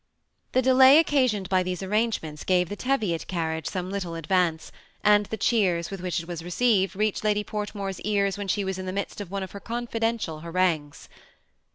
The delay occasioned by these arrangements gave the Teviot carriage some little advance, and the cheers with which it was received reached Lady Portmore's ears when she was in the midst of one of her confi dential harangues.